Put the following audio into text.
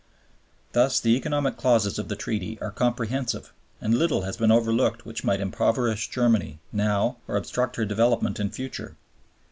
Thus the Economic Clauses of the Treaty are comprehensive, and little has been overlooked which might impoverish Germany now or obstruct her development in future.